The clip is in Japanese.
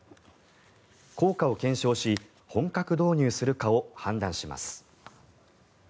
効果を検証し本格導入するかを判断します。